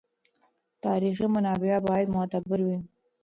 تاریخي منابع باید معتبر وي.